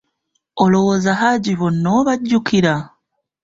Olowooza Haji bonna obajjukira?